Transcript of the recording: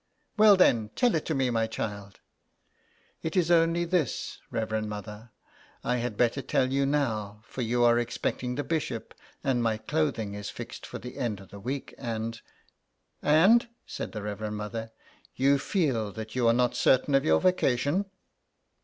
" Well, then, tell it to me, my child." *' It is only this, Reverend Mother. I had better tell you now, for you are expecting the bishop, and 143 THE EXILE. my clothing is fixed for the end of the week, and " And," said the Reverend Mother, " you feel that you are not certain of your vocation."